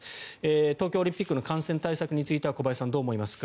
東京オリンピックの感染対策については小林さん、どう思いますか。